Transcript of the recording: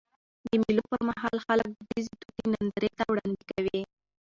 د مېلو پر مهال خلک دودیزي توکي نندارې ته وړاندي کوي.